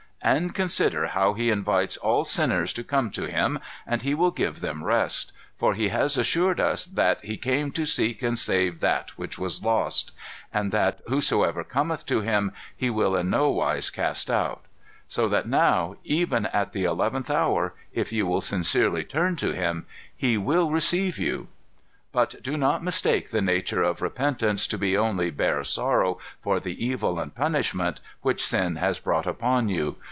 "And consider how he invites all sinners to come to Him, and He will give them rest; for He has assured us that 'He came to seek and to save that which was lost;' and that 'whosoever cometh to Him, He will in nowise cast out.' So that now, even at the eleventh hour, if you will sincerely turn to Him, He will receive you. "But do not mistake the nature of repentance to be only bare sorrow for the evil and punishment which sin has brought upon you.